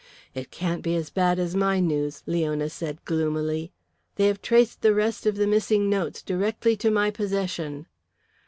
"It can't be as bad as my news," Leona said, gloomily. "They have traced the rest of the missing notes directly to my possession."